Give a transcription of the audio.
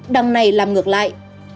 đăng này làm ngược lại